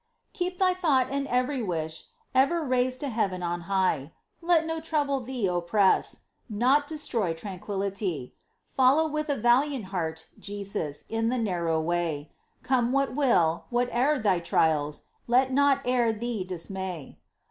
Keep thy thought and ev'ry wish Ever raised to heaven on high ; 58 MINOR WORKS OF ST. TERESA. Let no trouble thee oppress. Naught destroy tranquillity. Follow with a valiant heart Jesus, in the narrow way ; Come what will, whate'er thy trials, Let naught ever thee dismay.